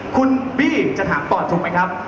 คุณบี้จะถามตอบถูกไหมครับ